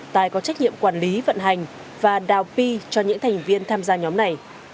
tài có trách nhiệm quản lý vận hành và đào pi cho những thành viên tham gia nhóm này